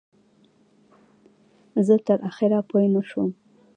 زه تر اخره پوی نشوم.